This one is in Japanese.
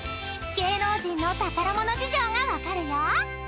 ［芸能人の宝物事情が分かるよ］